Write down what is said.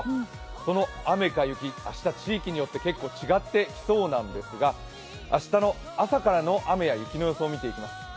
その雨か雪、明日、地域によって結構違ってきそうなんですが、明日の朝からの雨や雪の予想を見ていきます。